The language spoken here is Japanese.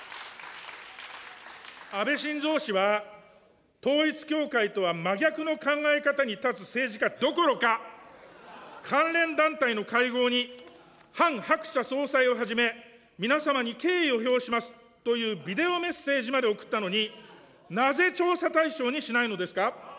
安倍晋三氏は統一教会とは真逆の考え方に立つ政治家どころか、関連団体の会合にハン・ハクチャ総裁をはじめ、皆様に敬意を表しますというビデオメッセージまで送ったのに、なぜ調査対象にしないのですか。